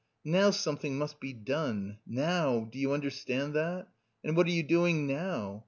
Now something must be done, now, do you understand that? And what are you doing now?